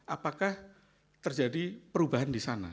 apakah terjadi perubahan di sana